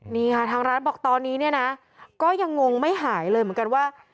นี่ค่ะทางร้านบอกตอนนี้เนี่ยนะก็ยังงงไม่หายเลยเหมือนกันว่า